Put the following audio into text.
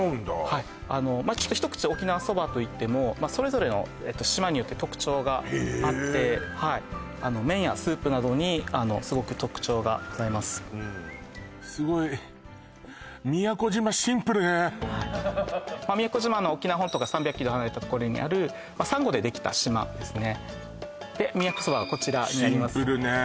はいあの一口で沖縄そばといってもそれぞれの島によって特徴があってへえ麺やスープなどにすごく特徴がございますすごい宮古島シンプルね宮古島は沖縄本島から３００ｋｍ離れた所にある珊瑚でできた島ですねで宮古そばはこちらになりますシンプルねえ